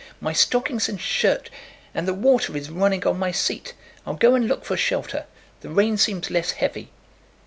"My stockings and shirt... and the water is running on my seat! I'll go and look for shelter. The rain seems less heavy."